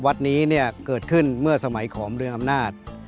วัดนี้เนี่ยเกิดขึ้นเมื่อสมัยขอมเรืองอำนาจ